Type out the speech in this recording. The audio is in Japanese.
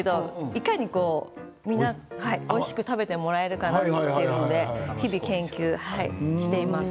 いかに、みんなおいしく食べてもらえるかなというので日々、研究しています。